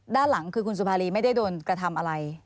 ด้านหลังคือคุณสุภารีไม่ได้โดนกระทำอะไร